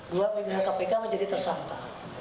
dua pimpinan kpk menjadi tersangka